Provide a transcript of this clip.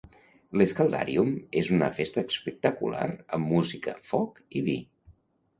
L'Escaldarium és una festa espectacular amb música, foc i vi.